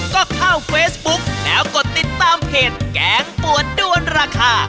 ก็เข้าเฟซบุ๊กแล้วกดติดตามเพจแกงปวดด้วนราคา